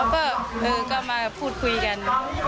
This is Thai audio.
ก็มาพูดคุยกัน